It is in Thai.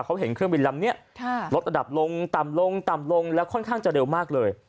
เขาเห็นเครื่องบินลำนี้ลดระดับลงต่ำลงต่ำลงแล้วค่อนข้างจะเร็วมากเลย